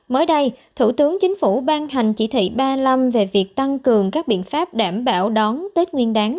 mới đây thủ tướng chính phủ ban hành chỉ thị ba mươi năm về việc tăng cường các biện pháp đảm bảo đón tết nguyên đáng